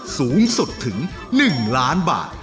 สูงสุดถึง๑ล้านบาท